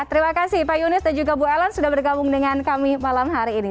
terima kasih pak yunis dan juga bu ellen sudah bergabung dengan kami malam hari ini